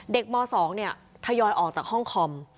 เด็กม๒เนี่ยทยอยออกจากห้องคอม